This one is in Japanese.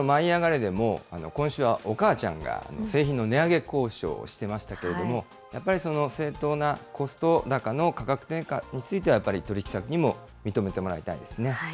でも今週はおかあちゃんが製品の値上げ交渉をしていましたけれども、やっぱり正当なコスト高の価格転嫁については、やっぱり取り引き先にも認めてもらいたいですね。